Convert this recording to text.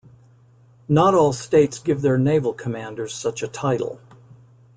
Not all states gave their naval commanders such a title.